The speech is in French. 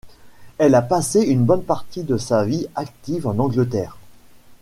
Il a passé une bonne partie de sa vie active en Angleterre.